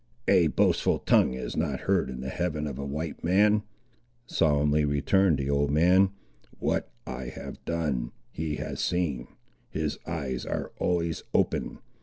"A boastful tongue is not heard in the heaven of a white man," solemnly returned the old man. "What I have done, He has seen. His eyes are always open.